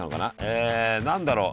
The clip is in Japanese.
え何だろう？